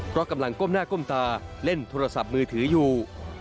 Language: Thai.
เพราะกำลังก้มหน้าก้มตาเล่นโทรศัพท์มือถืออยู่